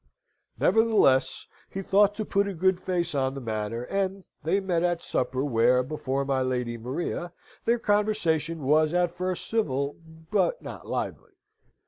Nevertheless, he thought to put a good face on the matter, and they met at supper, where, before my Lady Maria, their conversation was at first civil, but not lively.